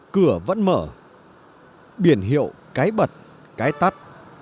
cửa vẫn mở biển hiệu cái bật cái tắt